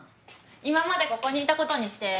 今までここにいたことにして。